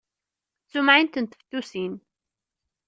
D tumɛint n tfettusin!